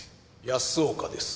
安岡です。